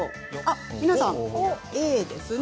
皆さんＡですね。